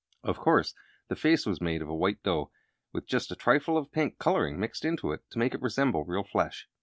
Of course the face was made of the white dough, with just a trifle of the pink coloring mixed into it to make it resemble real flesh.